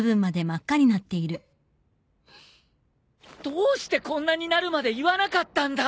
どうしてこんなになるまで言わなかったんだ！